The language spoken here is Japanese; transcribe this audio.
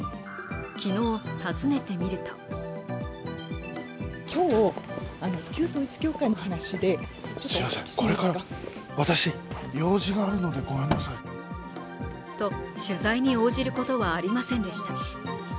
昨日、訪ねてみるとと、取材に応じることはありませんでした。